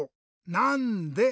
「なんで？」。